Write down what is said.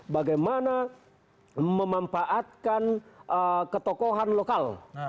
bagaimana memanfaatkan ketokohan lokal